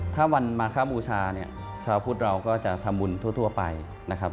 ถ้าวันมาคบูชาเนี่ยชาวพุทธเราก็จะทำบุญทั่วไปนะครับ